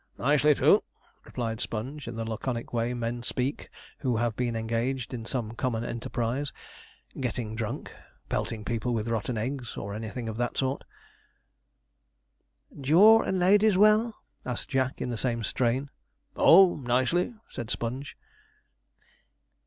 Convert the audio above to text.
'Nicely too,' replied Sponge, in the laconic way men speak who have been engaged in some common enterprise getting drunk, pelting people with rotten eggs, or anything of that sort. 'Jaw and the ladies well?' asked Jack, in the same strain. 'Oh, nicely,' said Sponge.